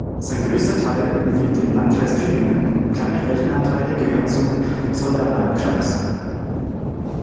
Sein größter Teil liegt im Landkreis Tübingen, kleine Flächenanteile gehören zum Zollernalbkreis.